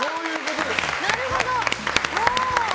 なるほど。